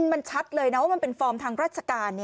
มันชัดเลยนะว่ามันเป็นฟอร์มทางราชการ